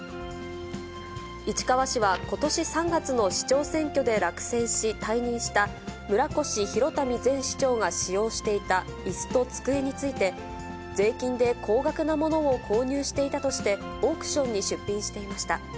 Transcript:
市川市はことし３月の市長選挙で落選し、退任した村越祐民前市長が使用していたいすと机について、税金で高額なものを購入していたとして、オークションに出品していました。